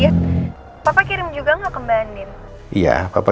terima kasih sudah nonton